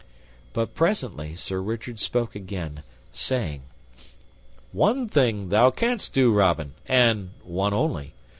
But presently Sir Richard spoke again, saying, "One thing thou canst do, Robin, and one only.